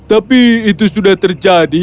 tapi itu sudah terjadi